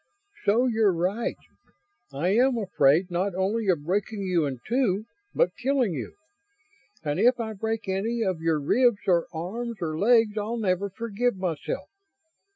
"So you're right. I am afraid, not only of breaking you in two, but killing you. And if I break any of your ribs or arms or legs I'll never forgive myself.